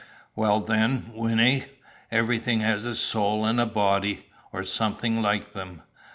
"Well, then, Wynnie; everything has a soul and a body, or something like them.